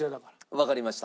わかりました。